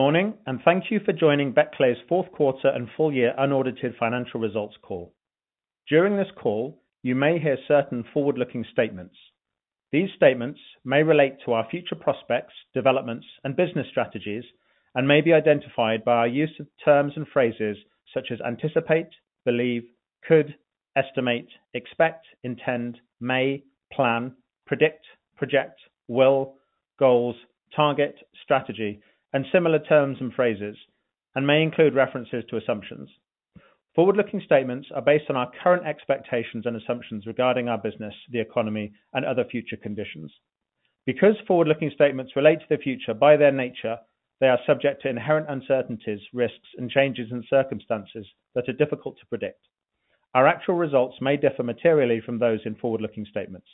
Morning, and thank you for joining Becle's fourth quarter and full-year unaudited financial results call. During this call, you may hear certain forward-looking statements. These statements may relate to our future prospects, developments, and business strategies, and may be identified by our use of terms and phrases such as anticipate, believe, could, estimate, expect, intend, may, plan, predict, project, will, goals, target, strategy, and similar terms and phrases, and may include references to assumptions. Forward-looking statements are based on our current expectations and assumptions regarding our business, the economy, and other future conditions. Because forward-looking statements relate to the future by their nature, they are subject to inherent uncertainties, risks, and changes in circumstances that are difficult to predict. Our actual results may differ materially from those in forward-looking statements.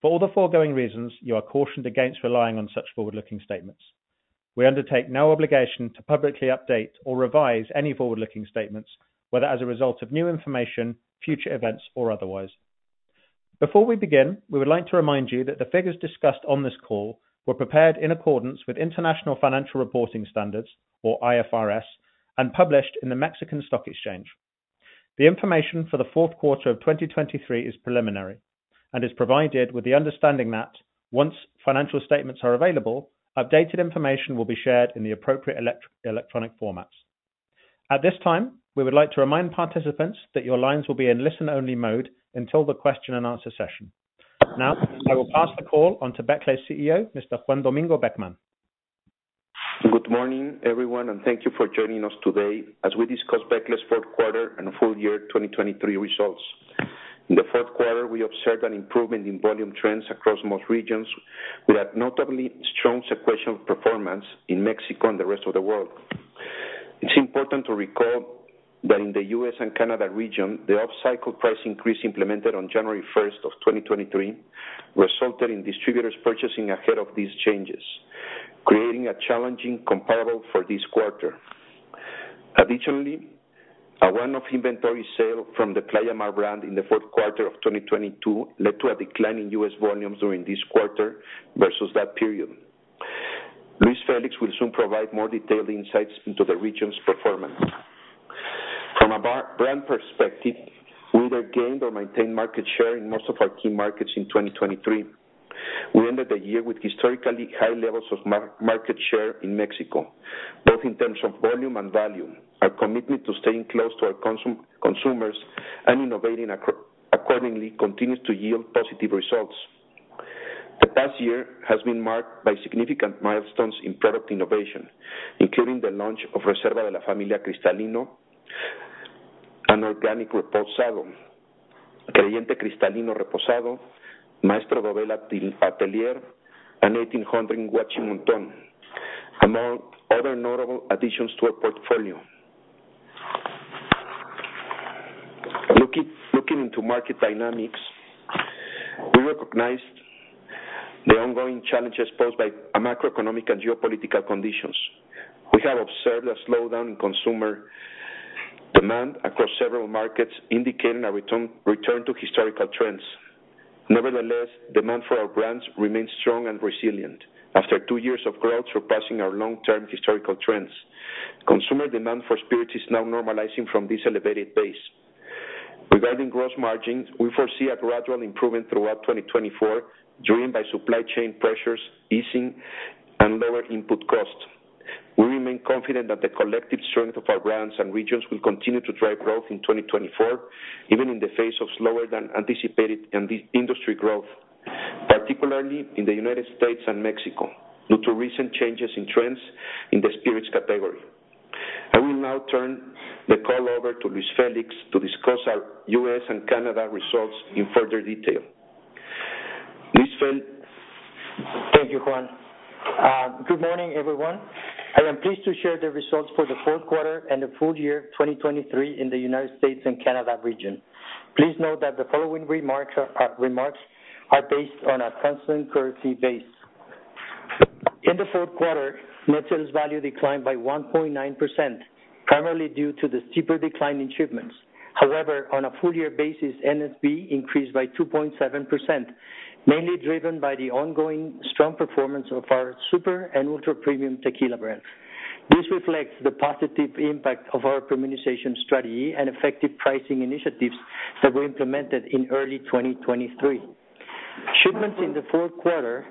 For all the foregoing reasons, you are cautioned against relying on such forward-looking statements. We undertake no obligation to publicly update or revise any forward-looking statements, whether as a result of new information, future events, or otherwise. Before we begin, we would like to remind you that the figures discussed on this call were prepared in accordance with International Financial Reporting Standards, or IFRS, and published in the Mexican Stock Exchange. The information for the fourth quarter of 2023 is preliminary and is provided with the understanding that, once financial statements are available, updated information will be shared in the appropriate electronic formats. At this time, we would like to remind participants that your lines will be in listen-only mode until the question-and-answer session. Now, I will pass the call on to Becle's CEO, Mr. Juan Domingo Beckmann. Good morning, everyone, and thank you for joining us today as we discuss Becle's fourth quarter and full-year 2023 results. In the fourth quarter, we observed an improvement in volume trends across most regions, with a notably strong sequential performance in Mexico and the rest of the world. It's important to recall that in the US and Canada region, the off-cycle price increase implemented on January 1, 2023 resulted in distributors purchasing ahead of these changes, creating a challenging comparable for this quarter. Additionally, a run-off inventory sale from the Playamar brand in the fourth quarter of 2022 led to a decline in US volumes during this quarter versus that period. Luis Félix will soon provide more detailed insights into the region's performance. From a brand perspective, we either gained or maintained market share in most of our key markets in 2023. We ended the year with historically high levels of market share in Mexico, both in terms of volume and value. Our commitment to staying close to our consumers and innovating accordingly continues to yield positive results. The past year has been marked by significant milestones in product innovation, including the launch of Reserva de la Familia Cristalino, an organic reposado, Creyente Cristalino Reposado, Maestro Dobel Atelier, and 1800 Guachimontón, among other notable additions to our portfolio. Looking into market dynamics, we recognized the ongoing challenges posed by macroeconomic and geopolitical conditions. We have observed a slowdown in consumer demand across several markets, indicating a return to historical trends. Nevertheless, demand for our brands remains strong and resilient after two years of growth surpassing our long-term historical trends. Consumer demand for spirits is now normalizing from this elevated base. Regarding gross margins, we foresee a gradual improvement throughout 2024, driven by supply chain pressures, easing, and lower input costs. We remain confident that the collective strength of our brands and regions will continue to drive growth in 2024, even in the face of slower-than-anticipated industry growth, particularly in the United States and Mexico, due to recent changes in trends in the spirits category. I will now turn the call over to Luis Félix to discuss our U.S. and Canada results in further detail. Luis Félix. Thank you, Juan. Good morning, everyone. I am pleased to share the results for the fourth quarter and the full-year 2023 in the United States and Canada region. Please note that the following remarks are based on a constant currency base. In the fourth quarter, NSV declined by 1.9%, primarily due to the steeper decline in shipments. However, on a full-year basis, NSV increased by 2.7%, mainly driven by the ongoing strong performance of our super and ultra premium tequila brands. This reflects the positive impact of our premiumization strategy and effective pricing initiatives that were implemented in early 2023. Shipments in the fourth quarter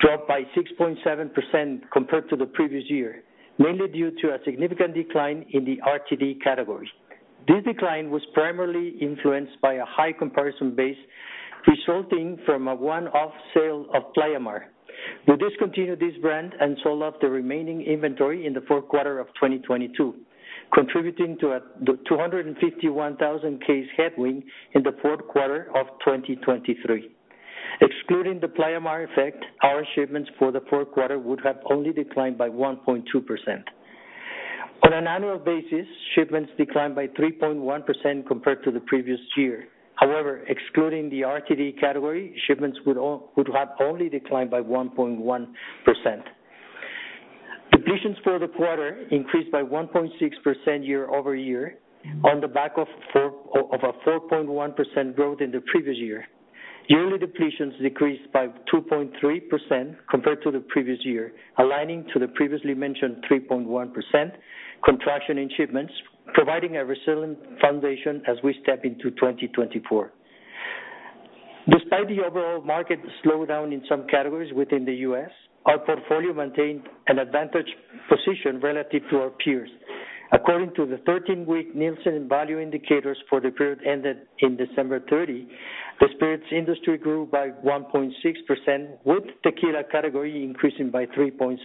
dropped by 6.7% compared to the previous year, mainly due to a significant decline in the RTD category. This decline was primarily influenced by a high comparison base resulting from a one-off sale of Playamar. We discontinued this brand and sold off the remaining inventory in the fourth quarter of 2022, contributing to a 251,000 case headwind in the fourth quarter of 2023. Excluding the Playamar effect, our shipments for the fourth quarter would have only declined by 1.2%. On an annual basis, shipments declined by 3.1% compared to the previous year. However, excluding the RTD category, shipments would have only declined by 1.1%. Depletions for the quarter increased by 1.6% year over year on the back of a 4.1% growth in the previous year. Yearly depletions decreased by 2.3% compared to the previous year, aligning to the previously mentioned 3.1% contraction in shipments, providing a resilient foundation as we step into 2024. Despite the overall market slowdown in some categories within the U.S., our portfolio maintained an advantage position relative to our peers. According to the 13-week Nielsen Value Indicators for the period ended in December 30, the spirits industry grew by 1.6%, with tequila category increasing by 3.7%.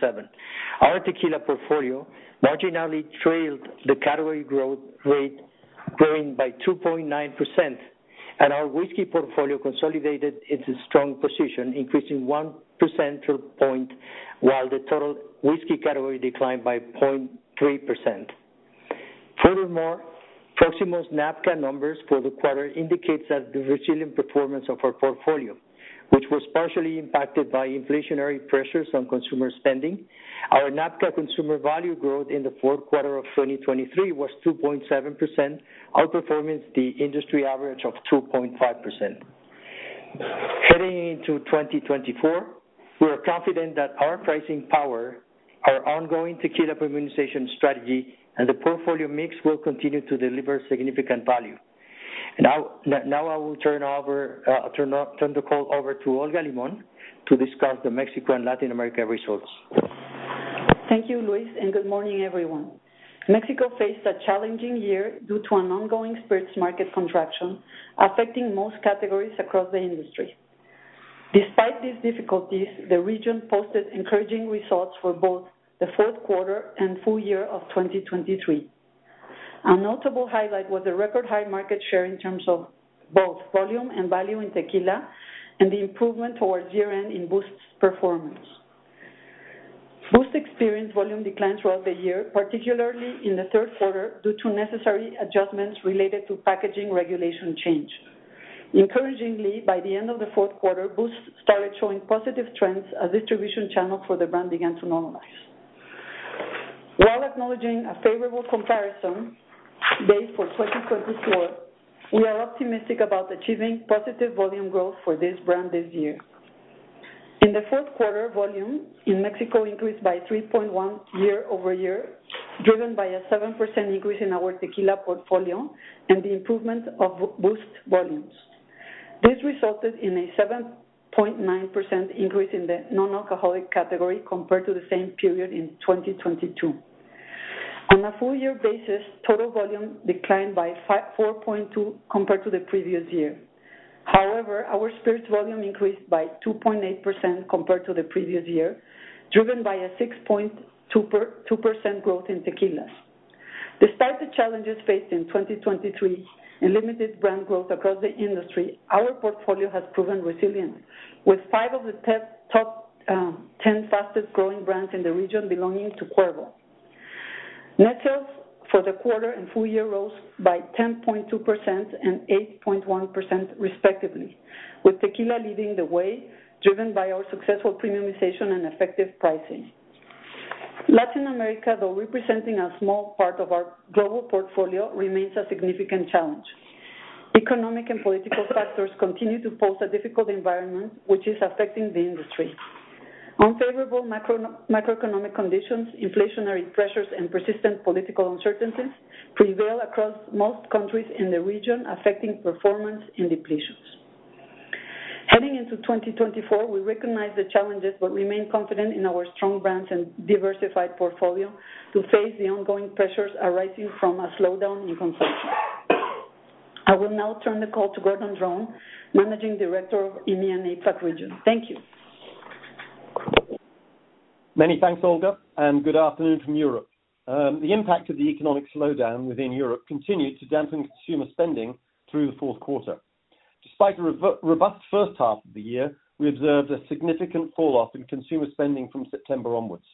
Our tequila portfolio marginally trailed the category growth rate, growing by 2.9%, and our whiskey portfolio consolidated into a strong position, increasing one percentage point while the total whiskey category declined by 0.3%. Furthermore, Proximo's NABCA numbers for the quarter indicate the resilient performance of our portfolio, which was partially impacted by inflationary pressures on consumer spending. Our NABCA consumer value growth in the fourth quarter of 2023 was 2.7%, outperforming the industry average of 2.5%. Heading into 2024, we are confident that our pricing power, our ongoing tequila premiumization strategy, and the portfolio mix will continue to deliver significant value. Now I will turn the call over to Olga Limón to discuss the Mexico and Latin America results. Thank you, Luis, and good morning, everyone. Mexico faced a challenging year due to an ongoing spirits market contraction, affecting most categories across the industry. Despite these difficulties, the region posted encouraging results for both the fourth quarter and full-year of 2023. A notable highlight was the record high market share in terms of both volume and value in tequila, and the improvement towards year-end in Boost's performance. Boost experienced volume declines throughout the year, particularly in the third quarter due to necessary adjustments related to packaging regulation change. Encouragingly, by the end of the fourth quarter, Boost started showing positive trends as distribution channels for the brand began to normalize. While acknowledging a favorable comparison base for 2024, we are optimistic about achieving positive volume growth for this brand this year. In the fourth quarter, volume in Mexico increased by 3.1% year-over-year, driven by a 7% increase in our tequila portfolio and the improvement of Boost volumes. This resulted in a 7.9% increase in the non-alcoholic category compared to the same period in 2022. On a full-year basis, total volume declined by 4.2% compared to the previous year. However, our spirits volume increased by 2.8% compared to the previous year, driven by a 6.2% growth in tequilas. Despite the challenges faced in 2023 and limited brand growth across the industry, our portfolio has proven resilient, with five of the top ten fastest-growing brands in the region belonging to Cuervo. sales for the quarter and full-year rose by 10.2% and 8.1%, respectively, with tequila leading the way, driven by our successful premiumization and effective pricing. Latin America, though representing a small part of our global portfolio, remains a significant challenge. Economic and political factors continue to pose a difficult environment, which is affecting the industry. Unfavorable macroeconomic conditions, inflationary pressures, and persistent political uncertainties prevail across most countries in the region, affecting performance and depletions. Heading into 2024, we recognize the challenges but remain confident in our strong brands and diversified portfolio to face the ongoing pressures arising from a slowdown in consumption. I will now turn the call to Gordon Dron, Managing Director of EMEA and APAC region. Thank you. Many thanks, Olga, and good afternoon from Europe. The impact of the economic slowdown within Europe continued to dampen consumer spending through the fourth quarter. Despite a robust first half of the year, we observed a significant falloff in consumer spending from September onwards.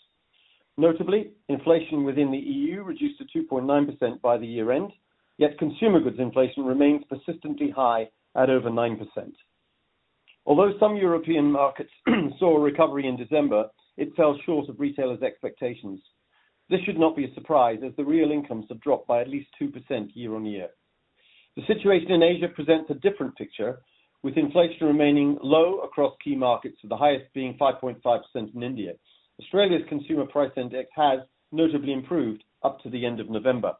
Notably, inflation within the EU reduced to 2.9% by the year-end, yet consumer goods inflation remains persistently high at over 9%. Although some European markets saw a recovery in December, it fell short of retailers' expectations. This should not be a surprise, as the real incomes have dropped by at least 2% year-over-year. The situation in Asia presents a different picture, with inflation remaining low across key markets, with the highest being 5.5% in India. Australia's Consumer Price Index has notably improved up to the end of November.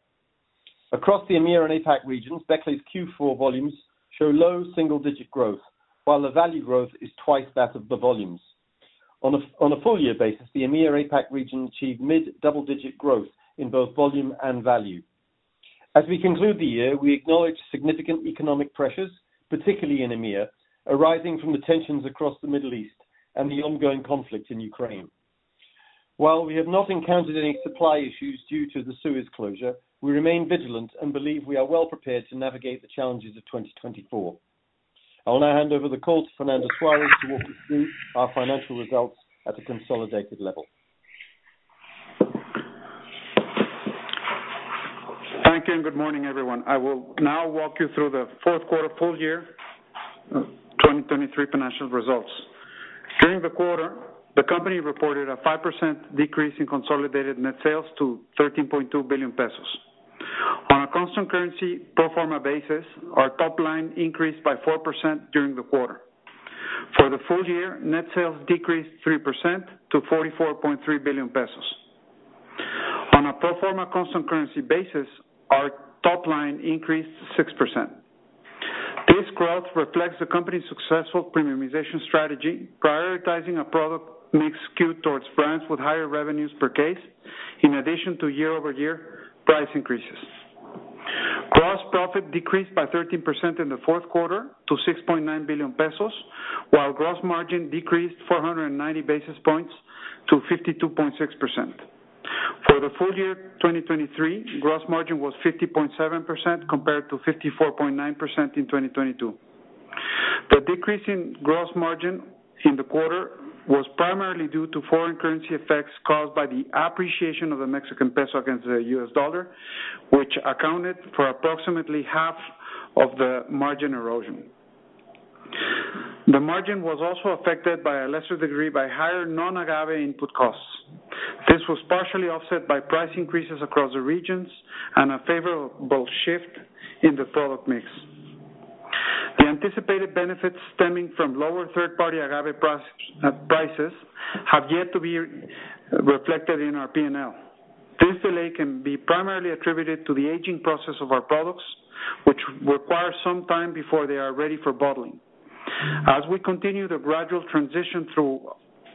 Across the EMEA and APAC regions, Becle's Q4 volumes show low single-digit growth, while the value growth is twice that of the volumes. On a full-year basis, the EMEA and APAC region achieved mid-double-digit growth in both volume and value. As we conclude the year, we acknowledge significant economic pressures, particularly in EMEA, arising from the tensions across the Middle East and the ongoing conflict in Ukraine. While we have not encountered any supply issues due to the Suez closure, we remain vigilant and believe we are well prepared to navigate the challenges of 2024. I will now hand over the call to Fernando Suárez to walk us through our financial results at a consolidated level. Thank you and good morning, everyone. I will now walk you through the fourth quarter full-year 2023 financial results. During the quarter, the company reported a 5% decrease in consolidated net sales to 13.2 billion pesos. On a constant currency pro forma basis, our top line increased by 4% during the quarter. For the full year, net sales decreased 3% to 44.3 billion pesos. On a pro forma constant currency basis, our top line increased 6%. This growth reflects the company's successful premiumization strategy, prioritizing a product mix skewed towards brands with higher revenues per case, in addition to year-over-year price increases. Gross profit decreased by 13% in the fourth quarter to 6.9 billion pesos, while gross margin decreased 490 basis points to 52.6%. For the full year 2023, gross margin was 50.7% compared to 54.9% in 2022. The decrease in gross margin in the quarter was primarily due to foreign currency effects caused by the appreciation of the Mexican peso against the US dollar, which accounted for approximately half of the margin erosion. The margin was also affected by a lesser degree by higher non-Agave input costs. This was partially offset by price increases across the regions and a favorable shift in the product mix. The anticipated benefits stemming from lower third-party Agave prices have yet to be reflected in our P&L. This delay can be primarily attributed to the aging process of our products, which requires some time before they are ready for bottling. As we continue the gradual transition through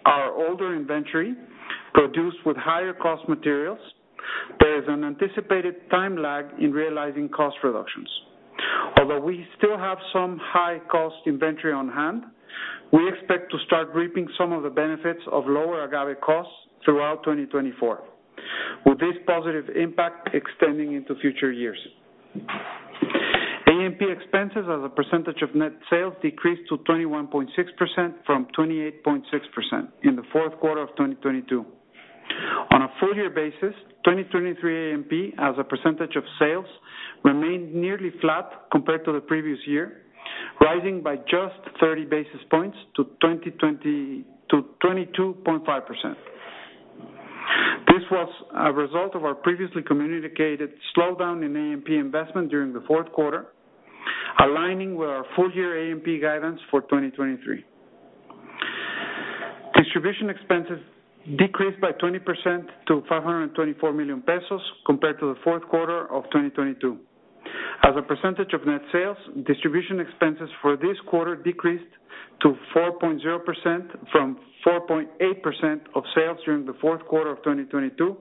our older inventory produced with higher cost materials, there is an anticipated time lag in realizing cost reductions. Although we still have some high-cost inventory on hand, we expect to start reaping some of the benefits of lower Agave costs throughout 2024, with this positive impact extending into future years. AMP expenses, as a percentage of net sales, decreased to 21.6% from 28.6% in the fourth quarter of 2022. On a full-year basis, 2023 AMP, as a percentage of sales, remained nearly flat compared to the previous year, rising by just 30 basis points to 22.5%. This was a result of our previously communicated slowdown in AMP investment during the fourth quarter, aligning with our full-year AMP guidance for 2023. Distribution expenses decreased by 20% to 524 million pesos compared to the fourth quarter of 2022. As a percentage of net sales, distribution expenses for this quarter decreased to 4.0% from 4.8% of sales during the fourth quarter of 2022,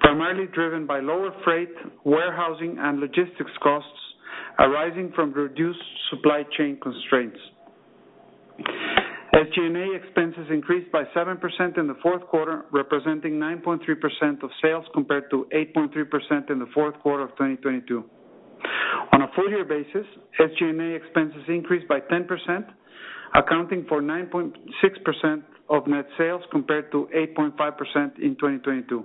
primarily driven by lower freight, warehousing, and logistics costs arising from reduced supply chain constraints. SG&A expenses increased by 7% in the fourth quarter, representing 9.3% of sales compared to 8.3% in the fourth quarter of 2022. On a full-year basis, SG&A expenses increased by 10%, accounting for 9.6% of net sales compared to 8.5% in 2022.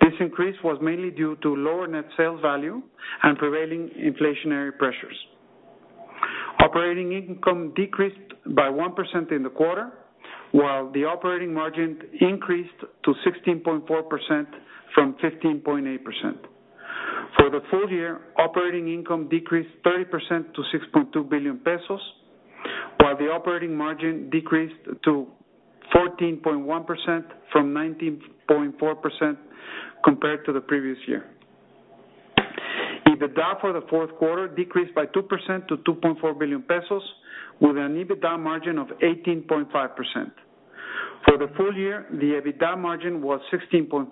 This increase was mainly due to lower net sales value and prevailing inflationary pressures. Operating income decreased by 1% in the quarter, while the operating margin increased to 16.4% from 15.8%. For the full year, operating income decreased 30% to 6.2 billion pesos, while the operating margin decreased to 14.1% from 19.4% compared to the previous year. EBITDA for the fourth quarter decreased by 2% to 2.4 billion pesos, with an EBITDA margin of 18.5%. For the full year, the EBITDA margin was 16.5%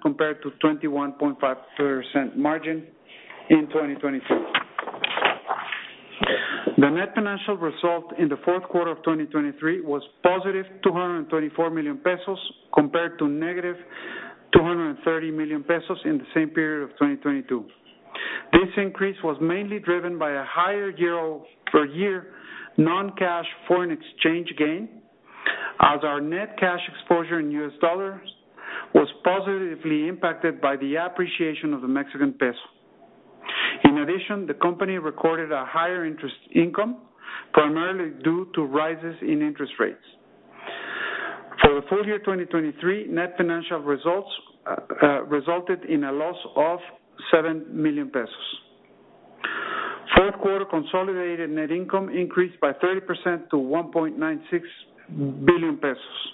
compared to 21.5% margin in 2022. The net financial result in the fourth quarter of 2023 was positive 224 million pesos compared to negative 230 million pesos in the same period of 2022. This increase was mainly driven by a higher year-over-year non-cash foreign exchange gain, as our net cash exposure in US dollars was positively impacted by the appreciation of the Mexican peso. In addition, the company recorded a higher interest income, primarily due to rises in interest rates. For the full year 2023, net financial results resulted in a loss of 7 million pesos. Fourth quarter consolidated net income increased by 30% to 1.96 billion pesos.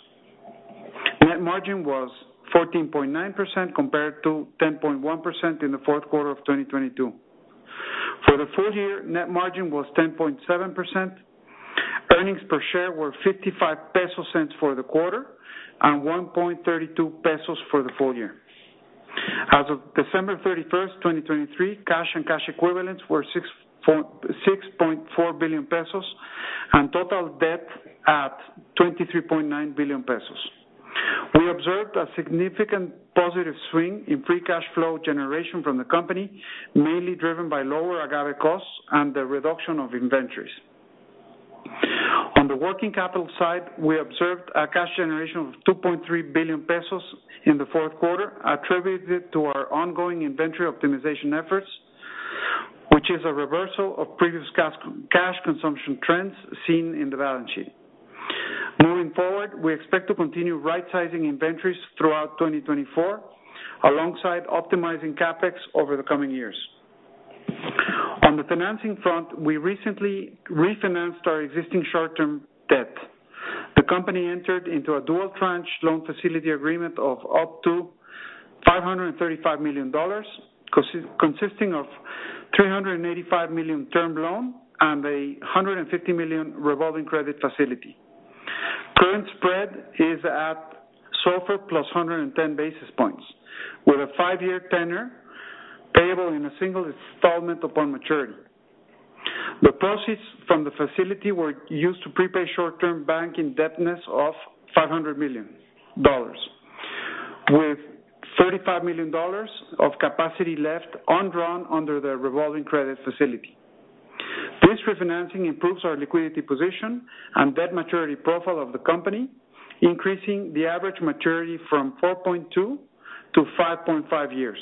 Net margin was 14.9% compared to 10.1% in the fourth quarter of 2022. For the full year, net margin was 10.7%. Earnings per share were 0.55 for the quarter and 1.32 pesos for the full year. As of December 31, 2023, cash and cash equivalents were 6.4 billion pesos and total debt at 23.9 billion pesos. We observed a significant positive swing in free cash flow generation from the company, mainly driven by lower Agave costs and the reduction of inventories. On the working capital side, we observed a cash generation of 2.3 billion pesos in the fourth quarter, attributed to our ongoing inventory optimization efforts, which is a reversal of previous cash consumption trends seen in the balance sheet. Moving forward, we expect to continue right-sizing inventories throughout 2024, alongside optimizing CapEx over the coming years. On the financing front, we recently refinanced our existing short-term debt. The company entered into a dual tranche loan facility agreement of up to $535 million, consisting of $385 million term loan and $150 million revolving credit facility. Current spread is at SOFR plus 110 basis points, with a 5-year tenor payable in a single installment upon maturity. The proceeds from the facility were used to prepay short-term bank indebtedness of $500 million, with $35 million of capacity left undrawn under the revolving credit facility. This refinancing improves our liquidity position and debt maturity profile of the company, increasing the average maturity from 4.2 to 5.5 years.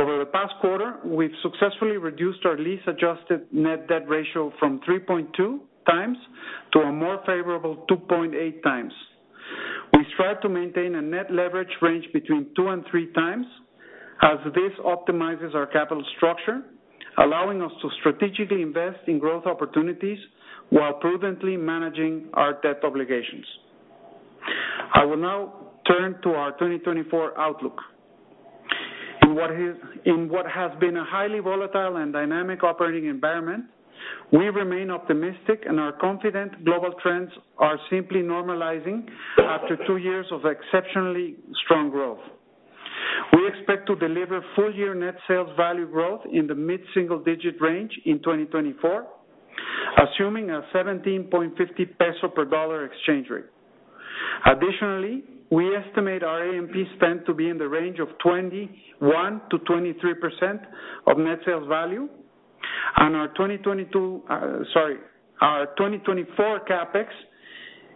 Over the past quarter, we've successfully reduced our lease-adjusted net debt ratio from 3.2 times to a more favorable 2.8 times. We strive to maintain a net leverage range between 2 and 3 times, as this optimizes our capital structure, allowing us to strategically invest in growth opportunities while prudently managing our debt obligations. I will now turn to our 2024 outlook. In what has been a highly volatile and dynamic operating environment, we remain optimistic and are confident global trends are simply normalizing after 2 years of exceptionally strong growth. We expect to deliver full-year net sales value growth in the mid-single-digit range in 2024, assuming a 17.50 pesos per dollar exchange rate. Additionally, we estimate our A&P spend to be in the range of 21%-23% of net sales value and our 2022 sorry, our 2024 CapEx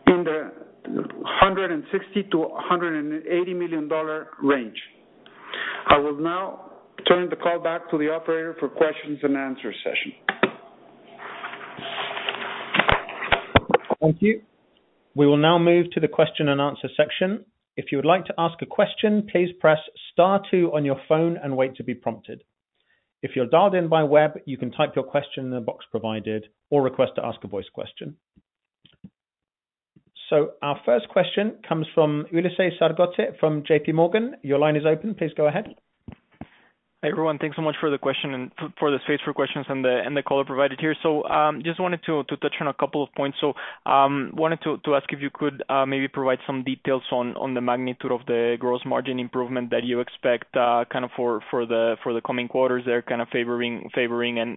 in the $160 million-$180 million range. I will now turn the call back to the operator for questions and answers session. Thank you. We will now move to the question and answer section. If you would like to ask a question, please press star two on your phone and wait to be prompted. If you're dialed in by web, you can type your question in the box provided or request to ask a voice question. Our first question comes from Ulises Argote from J.P. Morgan. Your line is open. Please go ahead. Hi everyone. Thanks so much for the question and for the space for questions and the caller provided here. So I just wanted to touch on a couple of points. So I wanted to ask if you could maybe provide some details on the magnitude of the gross margin improvement that you expect kind of for the coming quarters there kind of favoring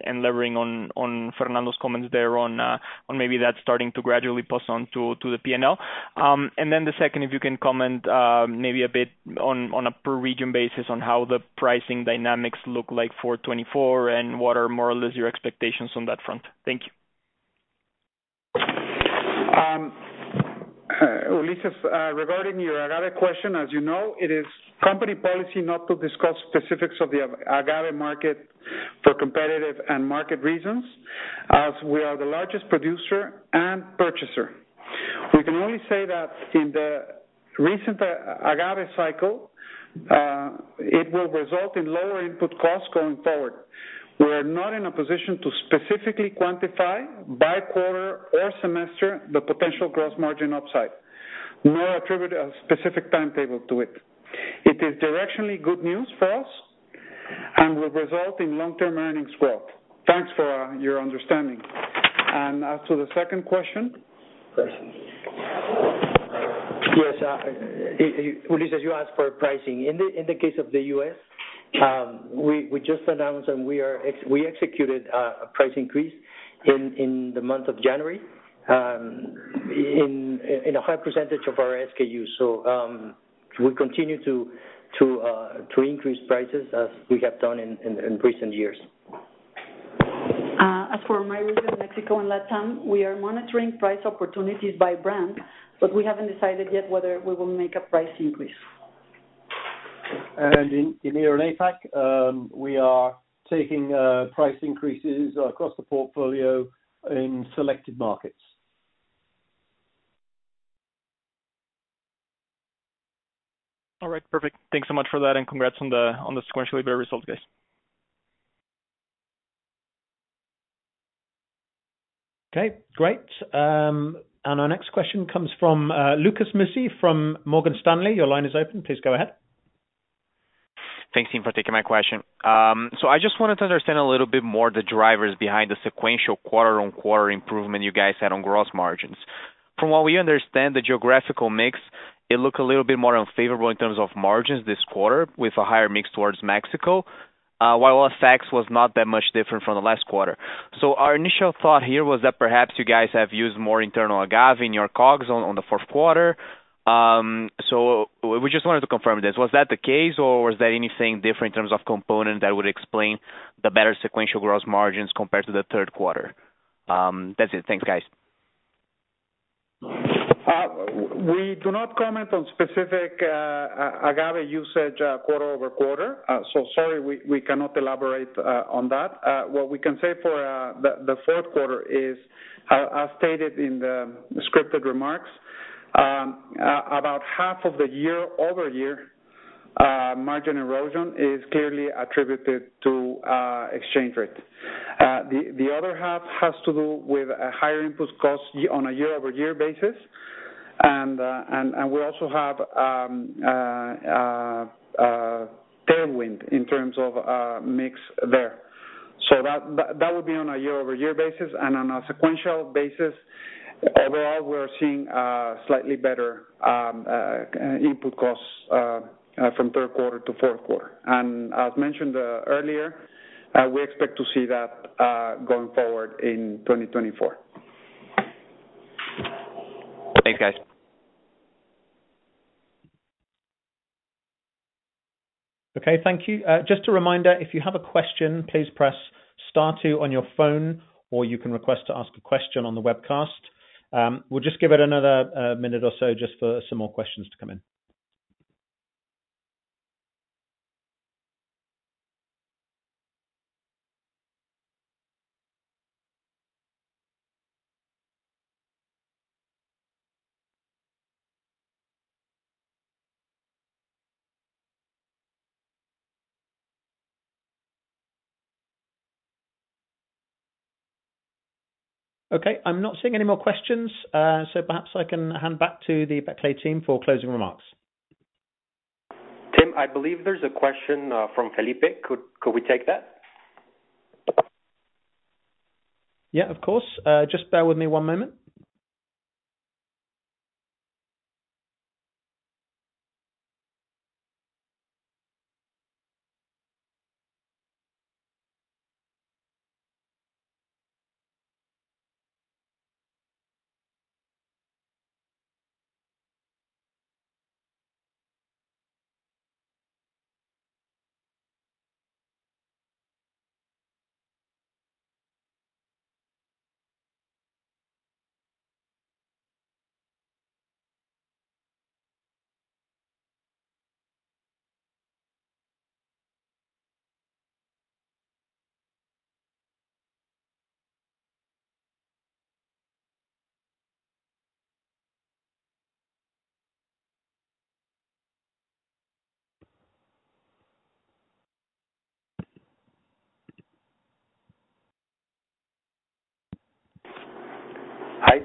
and levering on Fernando's comments there on maybe that starting to gradually pass on to the P&L. And then the second, if you can comment maybe a bit on a per-region basis on how the pricing dynamics look like for 2024 and what are more or less your expectations on that front. Thank you. Ulises, regarding your Agave question, as you know, it is company policy not to discuss specifics of the Agave market for competitive and market reasons, as we are the largest producer and purchaser. We can only say that in the recent Agave cycle, it will result in lower input costs going forward. We are not in a position to specifically quantify by quarter or semester the potential gross margin upside, nor attribute a specific timetable to it. It is directionally good news for us and will result in long-term earnings growth. Thanks for your understanding. As to the second question. Pricing. Yes. Ulises, as you asked for pricing, in the case of the US, we just announced and we executed a price increase in the month of January in a high percentage of our SKUs. So we continue to increase prices as we have done in recent years. As for my region, Mexico, and Latam, we are monitoring price opportunities by brand, but we haven't decided yet whether we will make a price increase. In the APAC, we are taking price increases across the portfolio in selected markets. All right. Perfect. Thanks so much for that and congrats on the sequential delivery results, guys. Okay. Great. And our next question comes from Lucas Mussi from Morgan Stanley. Your line is open. Please go ahead. Thanks, team, for taking my question. So I just wanted to understand a little bit more the drivers behind the sequential quarter-on-quarter improvement you guys had on gross margins. From what we understand, the geographical mix, it looked a little bit more unfavorable in terms of margins this quarter with a higher mix towards Mexico, while FX was not that much different from the last quarter. So our initial thought here was that perhaps you guys have used more internal Agave in your COGS on the fourth quarter. So we just wanted to confirm this. Was that the case or was there anything different in terms of components that would explain the better sequential gross margins compared to the third quarter? That's it. Thanks, guys. We do not comment on specific Agave usage quarter-over-quarter. So sorry, we cannot elaborate on that. What we can say for the fourth quarter is, as stated in the scripted remarks, about half of the year-over-year margin erosion is clearly attributed to exchange rate. The other half has to do with a higher input cost on a year-over-year basis. And we also have tailwind in terms of mix there. So that would be on a year-over-year basis. And on a sequential basis, overall, we are seeing slightly better input costs from third quarter to fourth quarter. And as mentioned earlier, we expect to see that going forward in 2024. Thanks, guys. Okay. Thank you. Just a reminder, if you have a question, please press star two on your phone or you can request to ask a question on the webcast. We'll just give it another minute or so just for some more questions to come in. Okay. I'm not seeing any more questions. So perhaps I can hand back to the Becle team for closing remarks. Tim, I believe there's a question from Felipe. Could we take that? Yeah, of course. Just bear with me one moment.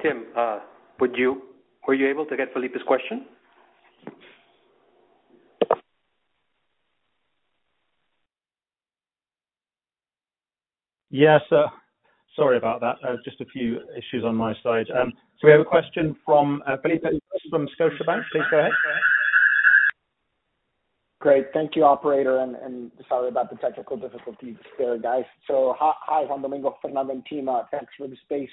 Hi Tim. Were you able to get Felipe's question? Yes. Sorry about that. Just a few issues on my side. We have a question from Felipe who's from Scotiabank. Please go ahead. Great. Thank you, operator. And sorry about the technical difficulties there, guys. So hi Juan Domingo, Fernando, and team. Thanks for the space.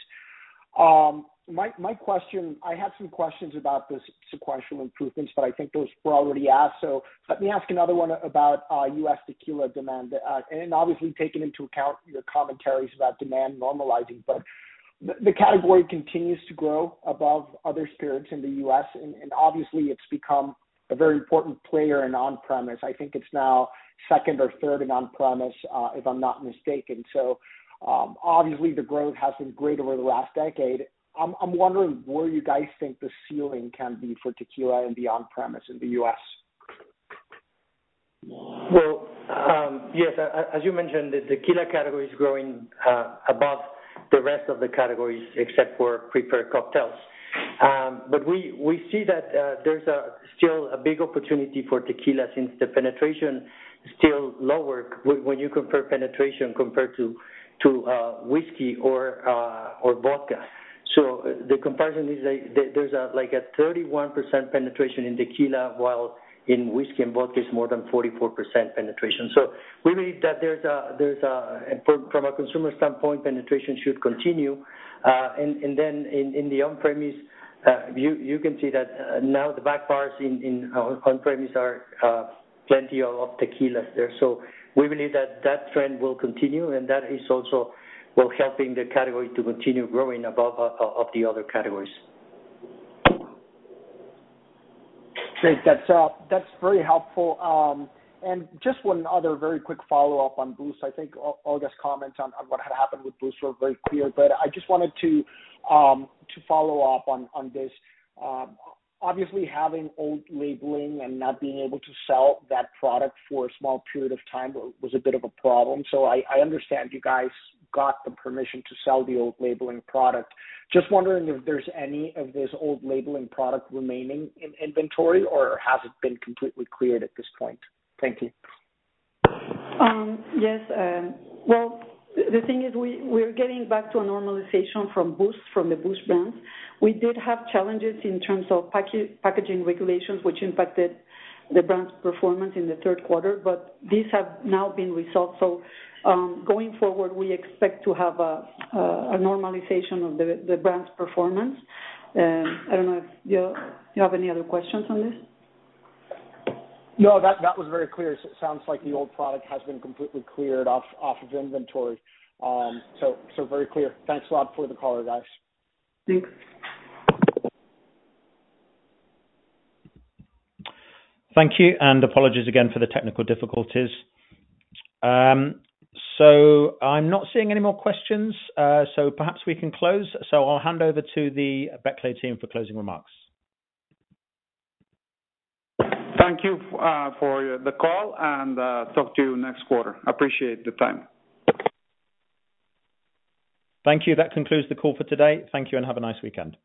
My question I had some questions about this sequential improvements, but I think those were already asked. So let me ask another one about U.S. tequila demand. And obviously taking into account your commentaries about demand normalizing, but the category continues to grow above other spirits in the U.S. And obviously it's become a very important player in on-premise. I think it's now second or third in on-premise if I'm not mistaken. So obviously the growth has been great over the last decade. I'm wondering where you guys think the ceiling can be for tequila in the on-premise in the U.S. Well yes. As you mentioned, the tequila category is growing above the rest of the categories except for prepare cocktails. But we see that there's still a big opportunity for tequila since the penetration is still lower when you compare penetration compared to whiskey or vodka. So the comparison is there's like a 31% penetration in tequila while in whiskey and vodka is more than 44% penetration. So we believe that there's a from a consumer standpoint, penetration should continue. And then in the on-premise, you can see that now the back bars in on-premise are plenty of tequilas there. So we believe that trend will continue and that is also will helping the category to continue growing above of the other categories. Thanks, guys. That's very helpful. And just one other very quick follow-up on Boost. I think Olga's comments on what had happened with Boost were very clear. But I just wanted to follow up on this. Obviously having old labeling and not being able to sell that product for a small period of time was a bit of a problem. So I understand you guys got the permission to sell the old labeling product. Just wondering if there's any of this old labeling product remaining in inventory or has it been completely cleared at this point? Thank you. Yes. Well, the thing is we're getting back to a normalization from the Boost brand. We did have challenges in terms of packaging regulations which impacted the brand's performance in the third quarter, but these have now been resolved. So going forward, we expect to have a normalization of the brand's performance. I don't know if you have any other questions on this? No. That was very clear. So it sounds like the old product has been completely cleared off of inventory. So very clear. Thanks a lot for the caller, guys. Thanks. Thank you. And apologies again for the technical difficulties. So I'm not seeing any more questions. So perhaps we can close. So I'll hand over to the Becle team for closing remarks. Thank you for the call, and talk to you next quarter. Appreciate the time. Thank you. That concludes the call for today. Thank you and have a nice weekend.